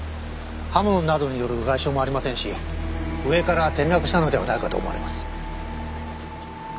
刃物などによる外傷もありませんし上から転落したのではないかと思われます。